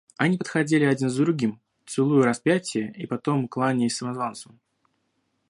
Они подходили один за другим, целуя распятие и потом кланяясь самозванцу.